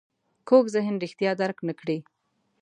کوږ ذهن رښتیا درک نه کړي